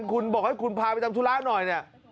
คุณบอกให้คุณพาไปทำธุระหน่อยเนี่ย